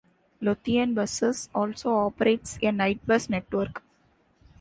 Lothian Buses also operates a nightbus network.